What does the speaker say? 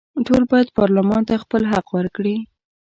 ټول باید پارلمان ته خپل حق ورکړي.